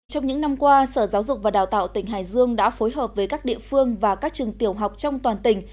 trong những năm qua sở giáo dục và đào tạo tỉnh hải dương đã phối hợp với các địa phương và các trường tiểu học trong toàn tỉnh